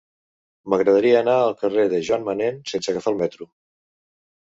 M'agradaria anar al carrer de Joan Manén sense agafar el metro.